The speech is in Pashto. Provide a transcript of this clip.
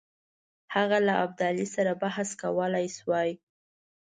هغه له ابدالي سره بحث کولای سوای.